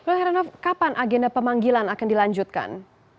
loh heranoff kapan agenda pemanggilan akan dilanjutkan